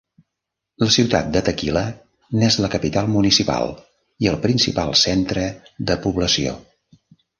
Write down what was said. La ciutat de Tequila n'és la capital municipal i el principal centre de població.